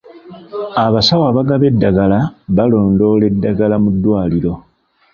Abasawo abagaba eddagala balondoola edddagala mu ddwaliro.